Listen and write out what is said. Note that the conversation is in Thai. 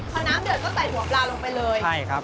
พอน้ำเดือดก็ใส่หัวปลาลงไปเลยใช่ครับ